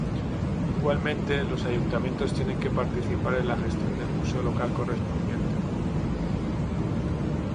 Igualmente, los ayuntamientos tienen que participar en la gestión del museo local correspondiente.